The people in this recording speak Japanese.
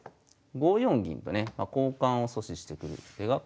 ５四銀とね交換を阻止してくる手が考えられます。